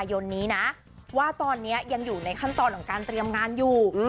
ยนนี้นะว่าตอนนี้ยังอยู่ในขั้นตอนของการเตรียมงานอยู่